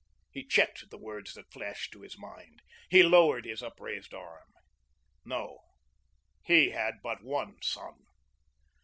He checked the words that flashed to his mind. He lowered his upraised arm. No, he had but one son.